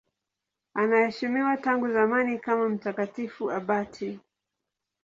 Anaheshimiwa tangu zamani kama mtakatifu abati.